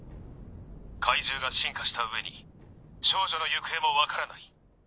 怪獣が進化した上に少女の行方も分からない。